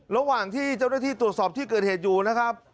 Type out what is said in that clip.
ระหว่างที่เจ้าหน้าที่ตรวจสอบที่เกิดเหตุอยู่นะครับ